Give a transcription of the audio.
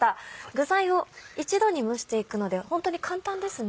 具材を一度に蒸していくのでホントに簡単ですね。